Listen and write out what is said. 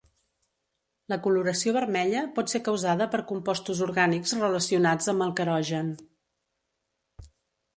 La coloració vermella pot ser causada per compostos orgànics relacionats amb el querogen.